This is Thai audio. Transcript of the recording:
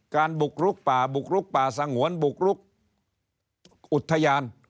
บุกลุกป่าบุกลุกป่าสงวนบุกลุกอุทยาน